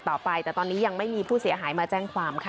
ต่อไปแต่ตอนนี้ยังไม่มีผู้เสียหายมาแจ้งความค่ะ